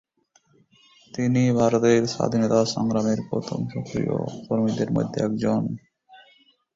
তিনি ভারতের স্বাধীনতা সংগ্রামের প্রথম সক্রিয় কর্মীদের মধ্যে একজন।